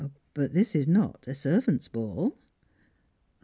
" But this is not a servants' ball."